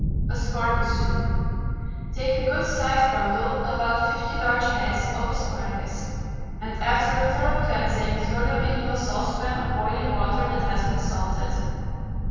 ASPARAGUS SOUP. Take a good sized bundle (about fifty large heads) of asparagus, and after a thorough cleansing throw them into a saucepan of boiling water that has been salted.